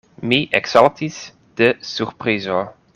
Mi eksaltis de surprizo.